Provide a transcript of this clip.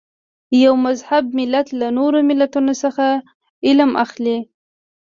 یو مهذب ملت له نورو ملتونو څخه علم اخلي.